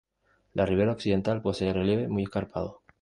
La ribera occidental posee relieve muy escarpado.